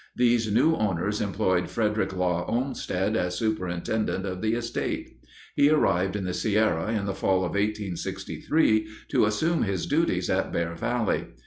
These new owners employed Frederick Law Olmsted as superintendent of the estate. He arrived in the Sierra in the fall of 1863 to assume his duties at Bear Valley.